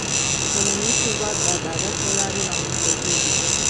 ټولنیز ثبات د عدالت له لارې رامنځته کېږي.